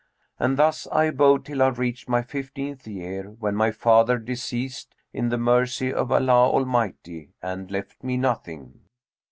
And thus I abode till I reached my fifteenth year, when my father deceased in the mercy of Allah Almighty and left me nothing.